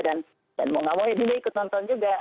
dan mau nggak mau ya dinda ikut nonton juga